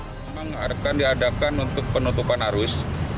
memang akan diadakan untuk penutupan arus